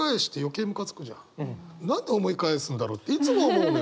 何で思い返すんだろうっていつも思うのよ。